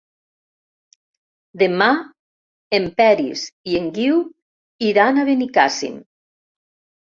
Demà en Peris i en Guiu iran a Benicàssim.